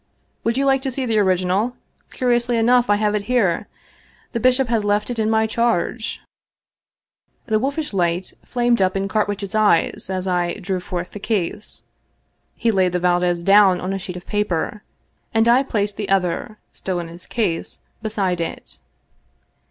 " Would you like to see the original ? Curiously enough, I have it here. The bishop has left it in my charge." The wolfish light flamed up in Carwitchet's eyes as I drew forth the case. He laid the Valdez down on a sheet of paper, and I placed the other, still in its case, beside it.